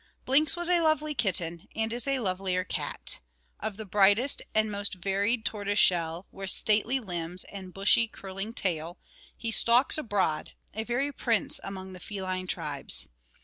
Blinks was a lovely kitten, and is a lovelier cat. Of the brightest and most varied tortoise shell, with stately limbs and bushy curling tail, he stalks abroad, a very prince among the feline tribes.